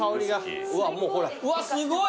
うわっすごい！